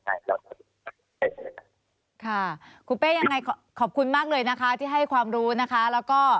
ใช่ครับค่ะคุณเป้ยังไงขอบคุณมากเลยนะคะที่ให้ความรู้นะคะแล้วก็